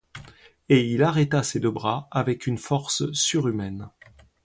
Et il arrêta ses deux bras avec une force surhumaine.